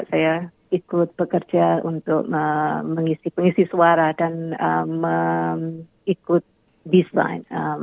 saya ikut bekerja untuk mengisi suara dan ikut baseline